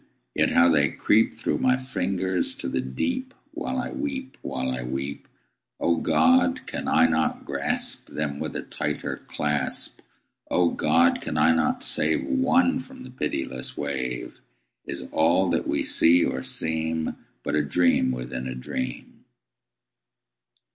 yet how they creep Through my fingers to the deep While I weep while I weep! O God! can I not grasp Them with a tighter clasp? O God! can I not save One from the pitiless wave? Is all that we see or seem But a dream within a dream?